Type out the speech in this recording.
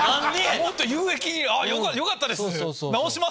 もっと有益によかった治します！